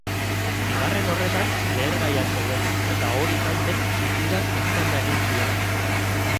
Bigarren horretan lehergaiak zeuden, eta hori izan zen suizidak eztanda egin zuena.